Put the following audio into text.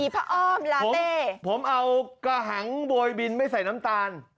ผมเอากะหังบรัวบินไม่ใส่น้ำตาล